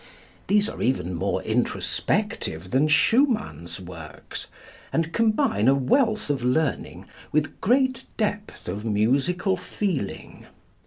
These are even more introspective than Schumann's works and combine a wealth of learning with great depth of musical feeling.